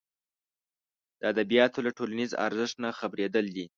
د ادبیاتو له ټولنیز ارزښت نه خبرېدل دي.